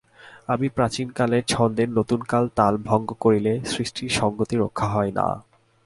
বস্তুত প্রাচীনকালের ছন্দের নতুনকাল তাল ভঙ্গ করলে সৃষ্টির সংগতি রক্ষা হয় না।।